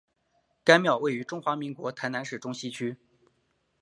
该庙位于中华民国台南市中西区。